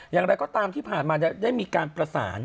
อย่างไรก็ตามที่ผ่านมาได้มีการประสาน